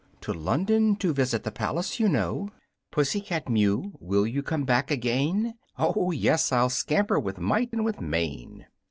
"To London, to visit the palace, you know." "Pussy cat Mew, will you come back again?" "Oh, yes! I'll scamper with might and with main!